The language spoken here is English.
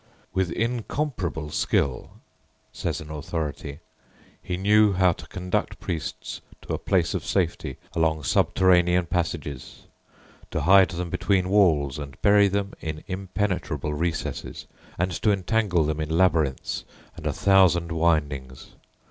[Footnote 1: Vita et Mors (1675), p. 75.] "With incomparable skill," says an authority, "he knew how to conduct priests to a place of safety along subterranean passages, to hide them between walls and bury them in impenetrable recesses, and to entangle them in labyrinths and a thousand windings.